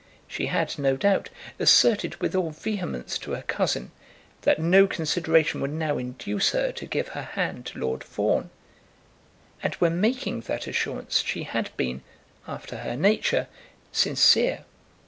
She had, no doubt, asserted with all vehemence to her cousin that no consideration would now induce her to give her hand to Lord Fawn; and when making that assurance she had been, after her nature, sincere.